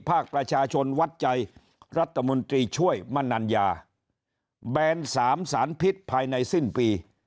ภาคประชาชนวัดใจรัฐมนตรีช่วยมนัญญาแบน๓สารพิษภายในสิ้นปี